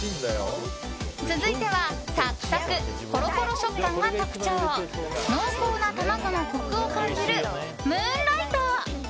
続いてはサクサク、ほろほろ食感が特徴濃厚な卵のコクを感じるムーンライト。